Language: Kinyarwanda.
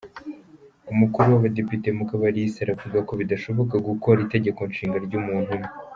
Umukuru w’abadepite Mukabarisa aravuga ko bidashoboka gukora itegekonshinga ry’umuntu umwe.